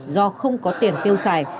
do không có tiền tiêu xài